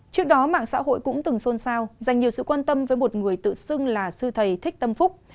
trước đó mạng xã hội cũng từng xôn xao dành nhiều sự quan tâm với một người tự xưng là sư thầy thích tâm phúc